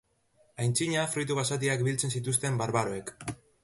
Aintzina fruitu basatiak biltzen zituzten barbaroek.